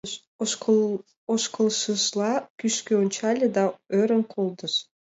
Ошкылшыжла кӱшкӧ ончале, ӧрын колтыш: